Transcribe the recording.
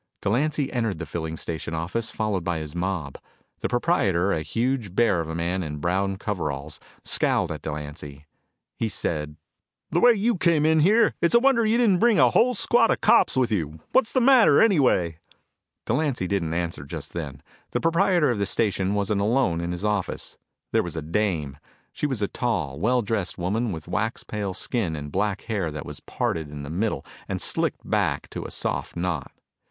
Delancy entered the filling station office, followed by his mob. The proprietor, a huge bear of a man in brown coveralls, scowled at Delancy. He said: "The way you came in here, it's a wonder you didn't bring a whole squad of cops with you. What's the matter, anyway?" Delancy didn't answer just then. The proprietor of the station wasn't alone in his office. There was a dame. She was a tall, well dressed woman with wax pale skin and black hair that was parted in the middle and slicked back to a soft knot.